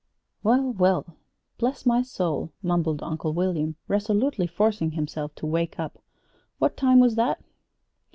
"Well, well, bless my soul!" mumbled Uncle William, resolutely forcing himself to wake up. "What time was that?"